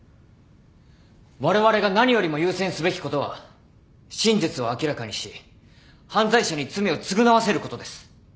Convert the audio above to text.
われわれが何よりも優先すべきことは真実を明らかにし犯罪者に罪を償わせることです。